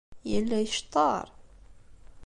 Yella yecṭeṛ.